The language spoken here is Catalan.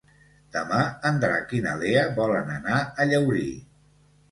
Demà en Drac i na Lea volen anar a Llaurí.